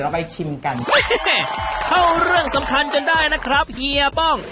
มีไก่สุดฟักมะนาวร้อง